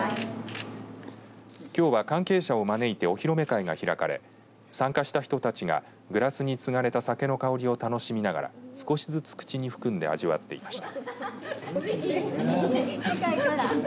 きょうは関係者を招いてお披露目会が開かれ参加した人たちがグラスにつがれた酒の香りを楽しみながら少しずつ口に含んで味わっていました。